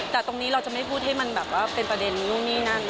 แต่ตรงนี้เราจะไม่พูดให้มันเป็นประเด็น